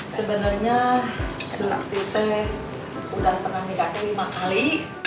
sebenarnya ketika kita udah pernah di cafe lima kali